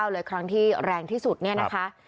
เลยครั้งที่แรงที่สุดเนี่ยนะคะ